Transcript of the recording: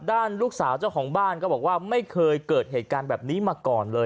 ลูกสาวเจ้าของบ้านก็บอกว่าไม่เคยเกิดเหตุการณ์แบบนี้มาก่อนเลย